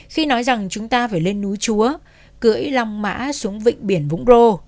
khi nói rằng chúng ta phải lên núi chúa cưỡi long mã xuống vịnh biển vũng rô